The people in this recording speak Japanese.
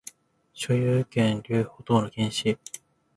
所有権留保等の禁止